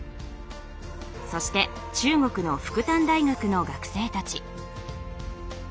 そして中国の復旦大学の学生たち。